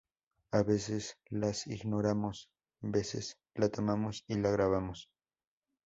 A veces las ignoramos, veces la tomamos y la grabamos.